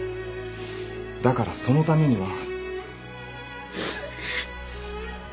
だからそのためには。